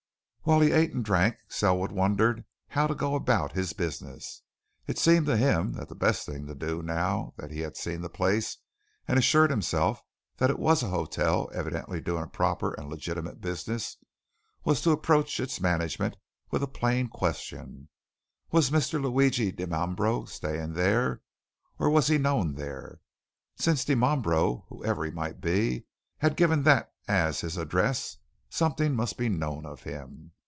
While he ate and drank, Selwood wondered how to go about his business. It seemed to him that the best thing to do, now that he had seen the place and assured himself that it was a hotel evidently doing a proper and legitimate business, was to approach its management with a plain question was Mr. Luigi Dimambro staying there, or was he known there? Since Dimambro, whoever he might be, had given that as his address, something must be known of him.